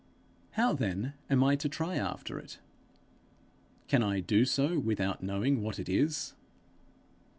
'How then am I to try after it? can I do so without knowing what it is?'